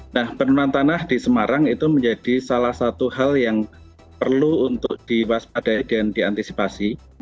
nah penurunan tanah di semarang itu menjadi salah satu hal yang perlu untuk diwaspadai dan diantisipasi